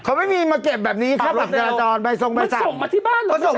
เขาไม่มีมาเก็บแบบนี้ค่ะนะปรับจราจรใบส่งใบสั่ง